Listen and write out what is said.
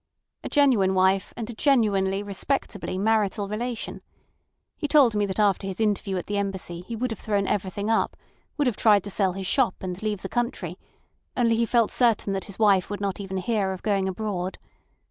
"A genuine wife and a genuinely, respectably, marital relation. He told me that after his interview at the Embassy he would have thrown everything up, would have tried to sell his shop, and leave the country, only he felt certain that his wife would not even hear of going abroad.